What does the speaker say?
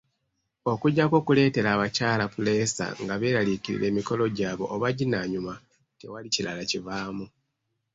Okuggyako okuleetera abakyala puleesa nga beeraliikirira emikolo gyabwe oba ginaanyuma, tewali kirala kivaamu.